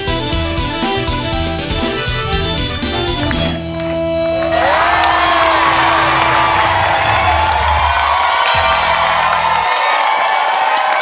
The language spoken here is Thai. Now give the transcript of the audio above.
ด้วยคำแพง